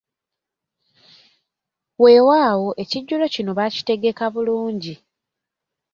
Weewaawo ekijjulo kino baakitegekka bulungi.